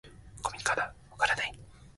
「ゴミかな？」「わからない」